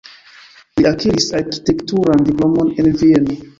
Li akiris arkitekturan diplomon en Vieno.